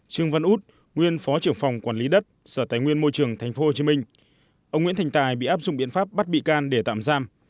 trương văn út nguyên phó trưởng phòng quản lý đất sở tài nguyên môi trường tp hcm ông nguyễn thành tài bị áp dụng biện pháp bắt bị can để tạm giam